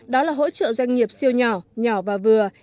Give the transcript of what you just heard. đó là hỗ trợ doanh nghiệp siêu nhỏ nhỏ và vừa